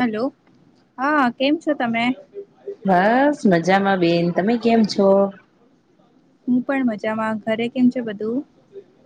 Hello હા કેમ છો તમે બસ મજામાં બેન તમે કેમ છો. હુ પણ મજામાં ઘરે કેમ છે બધું.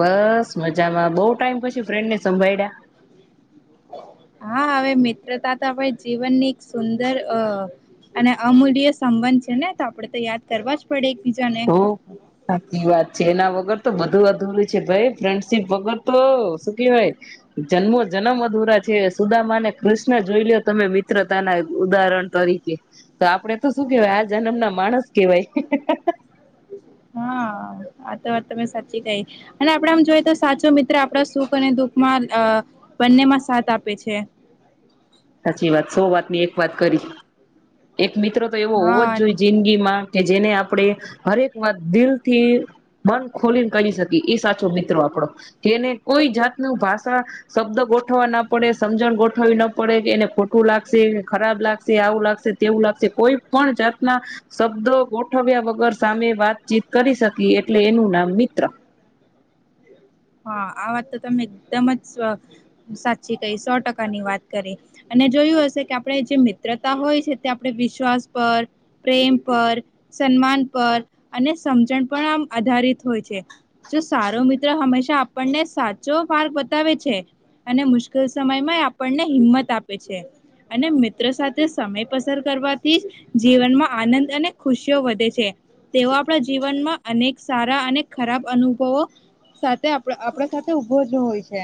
બસ મજામાં બહુ ટાઈમ પછી ચ્યું ફ્રેન્ડને સંભાયડ્યાં હા, હવે મિત્રતા તો આપણે જીવનની સુંદર અ અને અમૂલ્ય સંબંધ છે ને તો આપડે તો યાદ કરવા જ પડે. એકબીજાને તો સાચી વાત. જેના વગર તો બધું અધૂરું છે ભઈ ફ્રેન્ડશીપ વગર તો શું કેવાય જન્મો જનમ અધુરા છે સુદામાને કૃષ્ન જોઈ લ્યો તમે મિત્રતાના ઉદાહરણ તરીકે તો આપણેે તો શું કેવાય આ જનમના માણસ કેવાય હે હે હે હે હા, આ તો વાત તમે સાચી કહી અને આપડે આમ જોઈ તો સાચો મિત્ર આપડા સુખ અને દુઃખમાં અ બંનેમાં સાથ આપે છે. સાચી વાત સો વાતની એક વાત કરી એક મિત્રો તો એવો હોવો જ હા જોઈએ જિંદગીમાં કે જેને આપડે હરેક વાત દિલથી મન ખોલીન કરી શકી. ઈ સાચો મિત્રો આપડો કે એને કોઈ જાતનું ભાષા શબ્દ ગોઠવા ના પડે સમજણ ગોઠવવી ન પડે પડે જેને ખોટું લાગશે ખરાબ લાગશે આવું લાગશે તેવું લાગશે કોઈ પણ જાત ના શબ્દો ગોઠવ્યા વગર સામે વાતચીત કરી શકી લે એનું નામ મિત્ર. હા, આ વાત તો તમે એકદમ જ સ સાચી કહી સો ટકાની વાત કરી. અને જોયું હશે કે આપણે જે મિત્રતા હોય છે તે આપણે વિશ્વાસ પર પ્રેમ પર સન્માન પર અને સમજણ પણ આમ આધારિત હોય છે. જો સારો મિત્ર હંમેશા અપનને સાચો માર્ગ બતાવે છે અને મુશ્કેલ સમયમાંય આપનને હિંમત આપે છે અને મિત્રો સાથે સમય પસાર કરવાથી જ જીવનમાં આનંદ અને ખુશીઓ વધે છે. તેઓ આપણા જીવનમાં અનેક સારા અને ખરાબ અનુભવો સાથે આપ થોરા આપરા સાથે ઉભો જ હોય છે.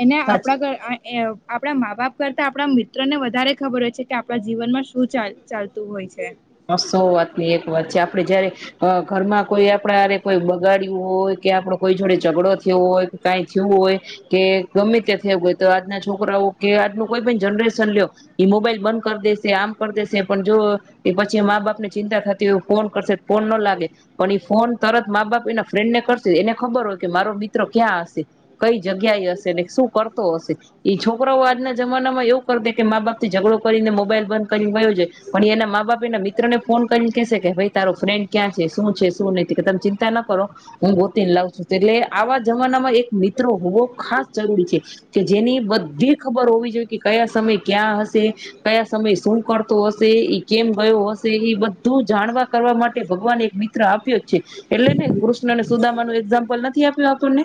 એને સાચે આપણા ઘર આ એઅ આપણા મા બાપ કરતા આપણા મિત્રને વધારે ખબર હોય છે કે આપણા જીવનમાં શું ચાલ ચાલતું હોય છે. હ, સૌ વાતની એક વાત છે. આપડે જયારે અ ઘરમાં કોઈ આપડા હારે કોઈ બગાડ્યું હોય કે આપડો કોઈ જોડે ઝઘડો થ્યો હોય કાંઈ થ્યું હોય કે ગમે તે થયવું હોય તો આજના છોકરાઓ કે આજનું કોઈ પણ જનરેશન લ્યો એ મોબાઈલ બંધ કર દેશે આમ કર દેશે પણ જો એ પછી મા બાપને ચિંતા કર તેઓ ફોન કરશે ફોન ન લાગે પણ ઈ ફોન તરત મા બાપ એના ફ્રેન્ડને કરશે એને ખબર હોય કે મારો દીકરો ક્યાં હશે કઈ જગ્યા એ હશે ને શું કરતો હશે ઈ છોકરાઓ આજ ના જમાનામાં એવું કર દે કે મા બાપથી ઝઘડો કરીને મોબાઈલ બંધ કરીન વયો જાય પણ એના માં કોઈના મિત્રને ફોન કરીન કેશે કે ભઈ તારો ફ્રેન્ડ ક્યાં છે શું છે શું નહ ક તમ ચિંતા ના કરો હું ગોતીન લાવ છું એટલે આવા જમાનામાં એક મિત્ર હોવો ખાસ જરૂરી છે કે જેની બધી ખબર હોવી જોઈએ કે કયા સમય ક્યાં હશે કયા સમય શું કરતો હશે ઈ કેમ ભય વોશ તો ઈ બધું જાણવા કરવા માટે ભગવાને એક મિત્ર આપ્યો છે એટલે ને કૃષ્નને સુદામાનું એક્ઝામ્પલ નથી આપ્યું આપણને.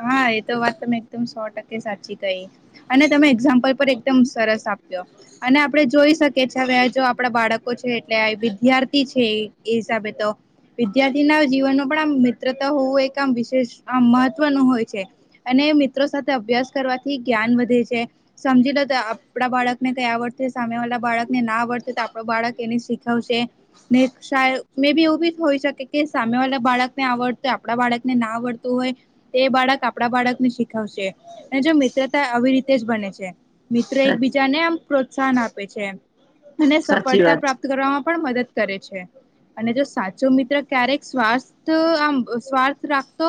હા, એ તો વાત તમે એકદમ સો ટકે સાચી કહી અને તમે એક્ઝામ્પલ પર એકદમ સરસ આપ્યો અને આપડે જોઈ શકીએ છે હવે જો આપડા બાળકો છે એટલે વિદ્યાર્થી છે એ એ હિસાબે તો વિદ્યાર્થીના જીવનમાં પણ આમ મિત્રતા હોવું એક આમ વિશેષ આમ મત પન હોય છે અને મિત્રો સાથે અભ્યાસ કરવાથી જ્ઞાન વધે છે સમજી લો તો આપડા બાળકને કઈ આવડશે સામેવાલાા બાળકને ના આવડશે તો આપડ બાળક એને શીખવશે ને શાય મેં બી એવું બી હોઈ શકે કે સામેવાલા બાળકને આવડશે આપડા બાળકને ના આવડતું હોય એ બાળક આપડા બાળકને શીખવશે અને જો મિત્રતા આવી રીતે જ બને છે. મિત્ર એકબીજાને આમ પ્રોત્સાહન આપે છે. અને સાચી સફળતા વાત છે પ્રાપ્ત કરવામાં પણ મદદ કરે છે. અને જો સાચો મિત્ર ક્યારેક સ્વાથ આમ સ્વાર્થ રાખતો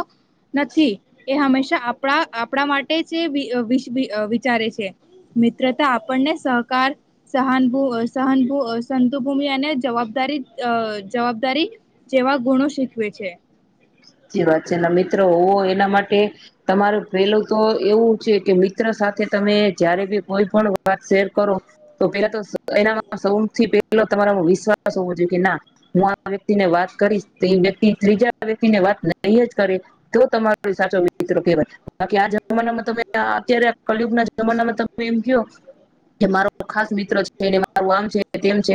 નથી એ હંમેશા આપણા આપણા માટે જે વિય વીસ વિય વિચારે છે. મિત્રતા આપણને સહકાર સહાનભુ સહનભુ સંતુભૂમિ અને જવાબદારી અહ જવાબદારી જેવા ગુણો શીખવે છે. [unintelligible] મિત્રો હો એના માટે તમારું પેલું તો એવું છે કે બી ત્ર સાથે તમે જયારે બી કોઈ પણ વાત શેર કરો, તો પેલા તો એના સૌથી પેલો તમારામાં વિશ્વાસ હોવો જોઈએ કે ના હું આ વ્યક્તિ ને વાત કરીશ તો વ્યક્તિ ત્રીજાક્ વાત નહી જ કરે તો તમારો સાચો મિત્રો કહેવાય. બાકી આ જમાનામાં તમે આ અત્યારે કલયુગ ના જમાનામાં તમે એમ ક કે મારો ખાસ મિત્ર છે મારું આમ મ છે તેમ છે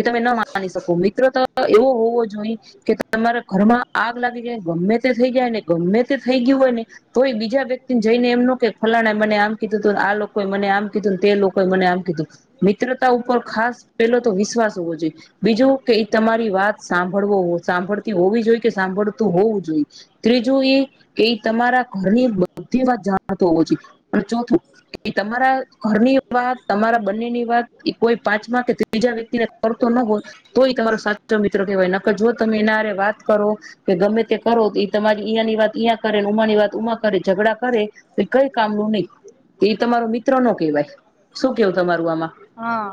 એ તમે ન માની શકો મિત્ર તો એવો હોવો જોઈ કે તમારા ઘરમાં આગ લાગી જાય ગમે તે થઈ જાય ને ગમે તે થઈ ગયું હોય ને તોય બીજા વ્યક્તિને જઈને એમનું કે ફલાણા મને આમ કીધું તું આ લોકોએ મને આમ કીધુંને તે લોકોએ મને આમ કીધું. મિત્રતા ઉપર ખાસ પેલો તો વિશ્વાસ હોવો જોઈએ. બીજું કે એ તમારી વાત સાંભળવો હો સાંભળતી હોવી જોઈ કે સાંભળતું હોવું જોઈએ. ત્રીજું એ કે તમારા ઘરની બધી વાત જાણતો હોવો જોઈએ. અને ચોથું તમારા ઘરની વાત તમારા બંનેની વાત એ કોઈ પાંચમા કે ત્રીજા વ્યક્તિને કર તો ન હોય તોય તમારો સા ચો મિત્રો કહેવાય નક જો તમે એનારે વાત કરો કે ગમેતે કરો તો એ તમારી ઈયાંની વાત ઇયા કરે ને ઉમાની વાત ઉમા કરે ઝઘડા કરેતો કઈ કામનું નહી. એ તમારો મિત્ર નો કહેવાય. શું કેવું તમારું આમાં? હા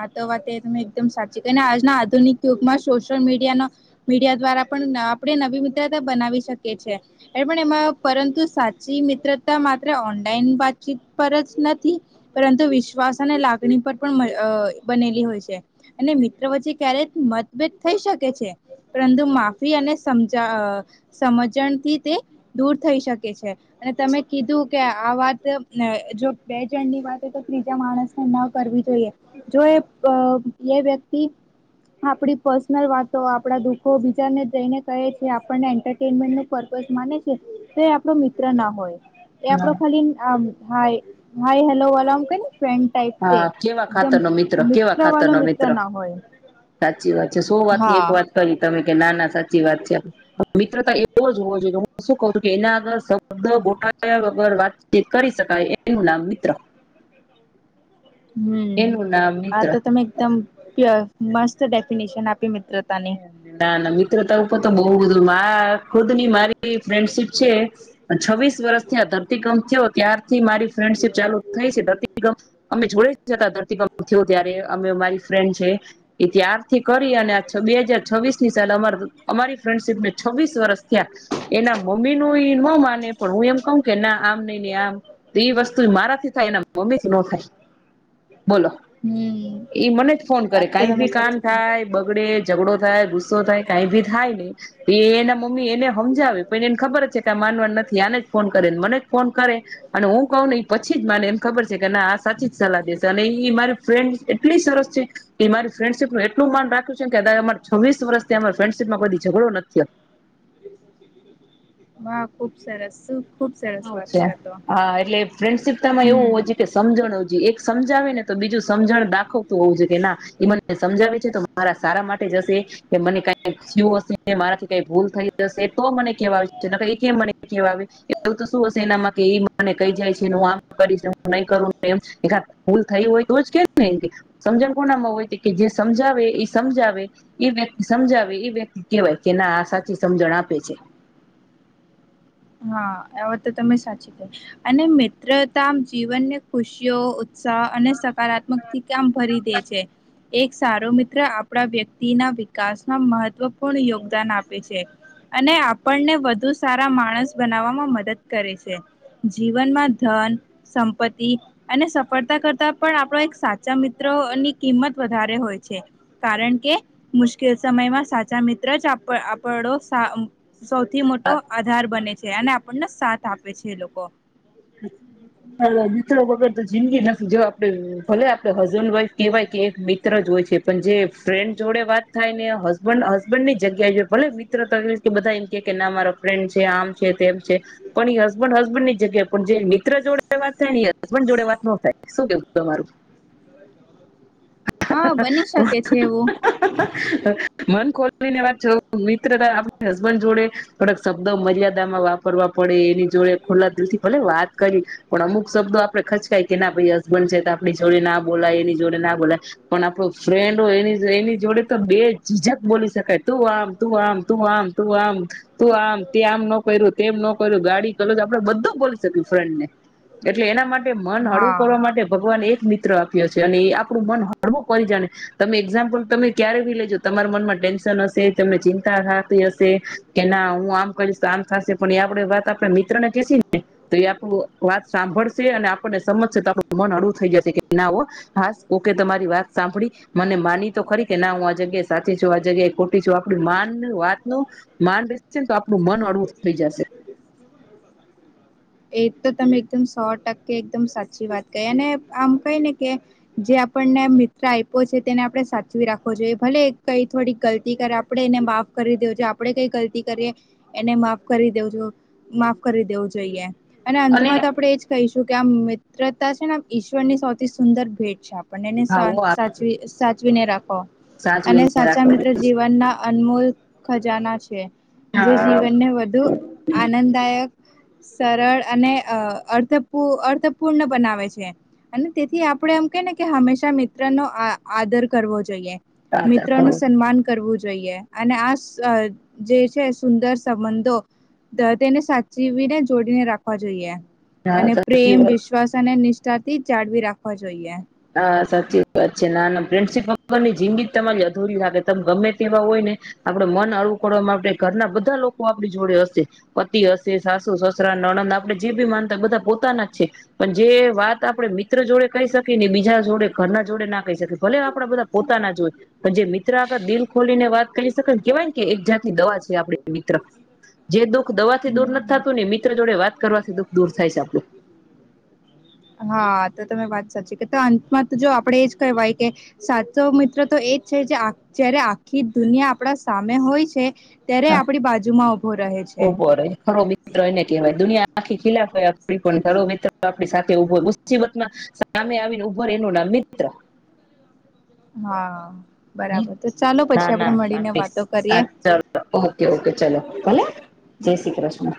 આતો વાતે તમે એકદમ સાચી તેને આજના આધુનિક યુગમાં સોશિયલ મીડિયા નો મીડિયા દ્વારા પણ આ આપણે નવી મિત્રતા બનાવી શકીએ છીએ. એ પણ એમાં પરંતુ સાચી મિત્રતા માત્ર ઓનલાઈન વાતચીત પર જ નથી પરંતુ વિશ્વાસ અને લાગ ગની પર પણ અહ બનેલી હોય છે અને મિત્ર વચ્ચે ક્યારે મતભેદ થઈ શકે છે. પરંતુ માફી અને સમજા આ સમજણથી તે દૂર થઈ શકે છે. અને તમે કીધું કે આ વાત ને જો બે જણની વાત હોય તો ત્રીજા માણસને ન કરવી જોઈએ. જો એ અ એ વ્યક્તિ આપડી પર્સનલ વાતો આપડા દુખો બીજાને જઈને કહે છે. આપને એન્ટરટેન્ટમેન નુ પર્પસ માને છે. તો એ આપણો મિત્ર ના હોય. એ આપડો હા ખાલી આ હાય, હાય હેલો એલોન કેને ફ્રેન્ડ ટાઈ હા કેવા ખાતર નો મિત્ર કેવા, ખાતર વાળો નો મિત્ર ના હોય સાચી વાત છે. શો વાતની એક હા વાત કરી તમે. નાના સાચી વાત છે. મિત્રતા એ એવોજ હોવો જોઈએ કશું ખોટું [unintelligible] વાતચીત કરી શકાય એનું નામ મિત્ર. હમ્મ, એનું નામ આ મિત્ર તો તમે દમ [unintelligible] મસ્ત ડેફિનેશન આપ ના ના મી ત્ર ઉપર તો બવ [unintelligible] ખુદ ની મારી ફ્રેન્ડશીપ છે. અન છવ્વીસ વર્ષથી આ ધરતીકંપ થયો ત્યારથી મારી ફ્રેન્ડશીપ ચાલુ થઈ છે. ધરતીકંપ અમે જોડે [unintelligible] ધરતીકંપ થયો ત્યારે અમે મારી ફ્રેન્ડ છે, એ ત્યારથી કરી અને છબી બે હાજર છવ્વીસ ની સાલે અમાર અમારી ફ્રેન્ડશીપ ને છવ્વીસ વર્ષ થયા એના મમ્મી નોઇ ન માને પણ હું એમ કઉ કે ના આમ નઈ નઈ આમ તો એ વસ્તુ મારાથી થાય એના મમ્મીથી ન થાય બોલો, હમ એ મને જ ફોન કરે વાત તો કઈ તમે ભી કામ સાચી કહી થાય બગડે તો થાય ગુસ્સો થાય કઈ બી થાય ને તોઇ એના મમ્મી એને હમજાવે પણ એને ખબર જ છે કે આ માનવા ની નથી. આને જ ફોન કરેને. મને જ ફોન કરે અને હું કહું ને એ પછી જ માને. એમ ખબર છે કે ના આ સાચી જ સલાહ દેશે. અને એ મારી ફ્રેન્ડ એટલી સરસ છે. કે મારી ફ્રેન્ડશીપ નું એટલું માન રાખ્યું છે કદાય મને છવ્વીસ વર્ષથી અમા ફ્રેન્ડશીપમાં કોબી ઝઘડો નથ થી. હ ખુબ સરસ શુ આવું છે. હા, એટલે ફ્રેન્ડશિપતામાં એવું હોવુ હમ જોઈ એ, કે સમજણ હોવું જોઈએ. સમજાવે ને તો બીજું સમજણ દાખવતું હોવું જોઈએ, કે ના એ મને સમજાવે છે, તો મારા સારા માટે જ હશે કે, મને કાય થયું હશે. મારાથી કઈ ભૂલ થઈ હશે, તો મને કેવા આવે છે ની તો ઈ કેય મને કેવા આવે. એવુ તો શું હશે એનામાં કે ઈ મને કય જાય છે. આમ કરી, નહી કરું. ભૂલ થઈ હોય તો જ કે ને, એમ સમજણ કોનામાં હોય કે જે સમજાવે એ સમજાવે એ વ્યક્તિ સમજાવે એ વ્યક્તિ કહેવાય કે ના આ સાચી સમજણ આપે છે. હા, આ વાત તો તમે સાચી કઈ અને મિત્રતા જીવનને ખુશીઓ ઉદ સાહ અને સકારાત્મક થી કામ ભરી દે છે. એક સારો મિત્ર આપણા વ્યક્તિના વિકાસમાં મહત્વપૂર્ણ યોગદાન આપે છે અને આપણને વધુ સારા માણસ બનાવવામાં મદદ કરે છે. જીવનમાં ધન, સંપત્તિ અને સફળતા કરતાં પણ આપણો એક સાચા મિત્રની અ કિંમત વધારે હોય છે કારણ કે મુશ્કેલ સમયમાં સાચા મિત્ર જ આપડ આપડો સૌથી મોટો આધાર બને. ત્યાંને આપણને સાથ આપે છે એ લોકો મિત્રો વગર તો જિંદગી નથી. જો આપડ ભલે આપડે હસબન્ડ, વાઈફ કેવાય કે, એક મિત્ર જ હોય છે પણ જે ફ્રેન્ડ જોડે વાત થાય ને, હસબન્ડ હસબન્ડ ની જગ્યાએ ભલે મિત્ર તો એ બધા એમ કે કે ના મારો ફ્રેન્ડ છે, આમ છે, તેમ છે પણ એ હસબન્ડ હસબન્ડ ની જગ્યા પણ જે મિત્ર જોડે વાત થાય ને, ઈ હસબન્ડ જોડે વાત ન થાય. શું કેવું તમારું? હા, બની શકે છે એવું. મન ખોલવીને વાત મિત્ર, આપ હસબન્ડ જોડે થોડાક શબ્દો મર્યાદામાં વાપરવા પડે, એની જોડે ખોલ્લા દિલથી ભલે વાત કરી પણ અમુક શબ્દો આપડે ખચકાય કે ના ભાઈ હસબન્ડ છે, તો આપણી જોડે ના બોલાય એની જોડે ના બોલાય પણ આપણો ફ્રેન્ડ હોય, એ એની જોડે તો બે જીજક બોલી શકાય. તું આમ તું આમ તું આમ તું આમ તું આમ, તે આમ ન કર્યું, તેમ ન કર્યું. ગાડી કલોજ આપડે બધું બોલી સકી ફ્રેન્ડ ને એટલે એના માટે કે મન હળવું હા. કરવા માટે ભગવાન એક મિત્ર આપ્યો છે અને એ આપડું મન હળવું કરી જાણે. તમે એક્ઝામ્પલ તમે ક્યારે ભી લેજો, તમારા મનમાં ટેન્શન હશે, તમને ચિંતા થાતી હશે કે ના હું આમ કરીશ, તો આમ થશે પણ એ આપડે વાત આપણા મિત્ર ને કેશું ને તો એ આપણું વાત સાંભળશે અને આપણને સમજશે, તો આપણું મન અળવું થઈ જશે કે, ના હો હ ઓકે તમારી વાત સાંભડી, મને માની તો ખરી કે ના હું આ જગ્યાએ સાચી છું, આ જગ્યાએ ખોટી છું. આપડુ માન વાતનું માન બેશેને તો આપણું મન અળવું થઈ જશે. એ તો તમે એકદમ સો ટકે એકદમ સાચી વાત કહી અને આમ કઈ ને કે જે આપણને મિત્ર આયપો છે, તેને આપણે સાચવી રાખવો જોઈએ. ભલે કઈ થોડી ગલતી કરે, આપણે એને માફ કરી દેવું જોઈએ. આપડે કઈ ગલતી કરીએ એને માફ કરી દેવજો માફ કરી દેવું જોઈએ. અને અંતમાં તો આપણેે એજ કેહશું. કે આ મિત્રતા છે ને, આમ ઈશ્વર ની સૌથી સુંદર ભેટ છે. આપ બનેને સન આવો સાચવી સાચવીને રાખો અને સાચવીને સાચા રાખો મિત્ર જીવનના અનમૂલ ખજાના છે. જે હા જીવનને વધુ આનંદદાયક સરળ અને અર્થપૂ અર્થપૂર્ણ બનાવે છે અને તેથી આપણે એમ કેય ને કે, હંમેશા મિત્રનો આ આદર કરવો જોઈએ. મિત્રો નું સન્માન કરવું જોઈએ. જોઈએ અને આ જે છે સુંદર સંબંધો અ તેને સાચવીને છોડીને રાખવા જોઈએ. અને સાચી પ્રેમ, વાત વિશ્વાસ અને નિષ્ તાથી જાળવી રાખવા જોઈએ. હા સાચી વાત છે. નાના ફ્રેન્ડશિપ વગર ની જિંદગી તમારી અધૂરી લાગે. તમે ગમે તેવા હોય ને, આપડે મન અળવું કરવા માટે ઘરના બધા લોકો આપણી જોડે હશે પતિ હશે, સાસુ, સસરા, નણંદ આપણે જે બી માનતા બધા પોતાના જ છે પણ જે વાત આપડે મિત્ર જોડે કય શકયે ને બીજા જોડે, ઘર ના જોડે ના કય શકે ભલે આમ આપડા બધા પોતાના જ હોય પણ જે મિત્ર મિત્ર આગાડે આપને દિલ ખોલીને વાત કરી શકાય, કેવાય કે એક જાત ની દવા છે આપડી મિત્ર. જે બો દવા થી દૂર નથી હમ થતું ને મિત્ર જોડે વાત કરવાથી દુઃખ દૂર થાય છે આપડું. હા તો તમે વાત સાચી કે અંતમાં તો જો આપડે એજ કહેવાય, કે સાચો મિત્ર તો એજ છે, જે આખ જયારે આખી દુનિયા આપણા સામે હોય છે ત્યારે આપણી બાજુમાં ઉભો રહે છે. ઉભો રહે ખરો મિત્ર એને કહેવાય દુનિયા આખી ખિલા હોય આપ પણ ખરો મિત્ર આપણી સાથે ઉભો મુસીબતમાં સામે આવીને ઉભુ એનું નામ મિત્ર. હા બરાબર તો ચાલો [unintelligible] ના પછી આપણે ના મળીને શાંતિ વાતો અ કરીએ. ઓકે ઓકે ચલો ભલે જય શ્રી કૃષ્ણ